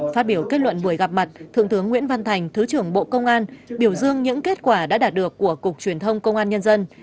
phát biểu kết luận buổi gặp mặt thượng tướng nguyễn văn thành thứ trưởng bộ công an biểu dương những kết quả đã đạt được của cục truyền thông công an nhân dân